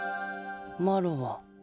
マロは。